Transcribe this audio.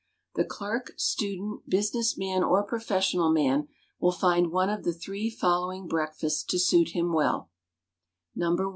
The clerk, student, business man, or professional man, will find one of the three following breakfasts to suit him well: No.